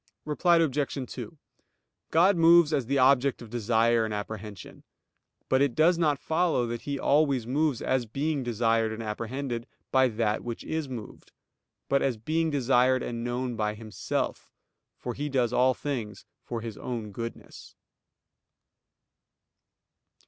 Reply Obj. 2: God moves as the object of desire and apprehension; but it does not follow that He always moves as being desired and apprehended by that which is moved; but as being desired and known by Himself; for He does all things for His own goodness.